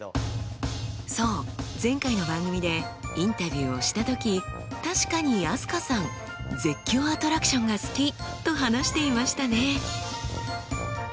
そう前回の番組でインタビューをした時確かに飛鳥さん絶叫アトラクションが好きと話していましたね。